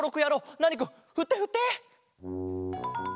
ナーニくんふってふって！